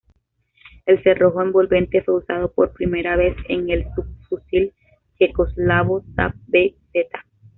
El cerrojo envolvente fue usado por primera vez en el subfusil checoslovaco Sa vz.